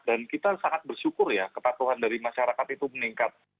dan kita sangat bersyukur ya kepatuhan dari masyarakat itu meningkat